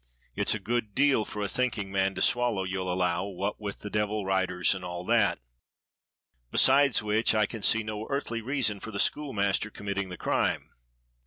It's a good deal for a thinking man to swallow, you'll allow, what with the devil riders and all that. Besides which I can see no earthly reason for the school master committing the crime.